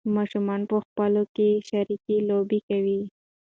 ماشومان په خپلو کې شریکې لوبې کوي.